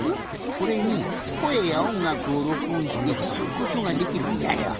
これにこえやおんがくをろくおんしてきくことができるんじゃよ。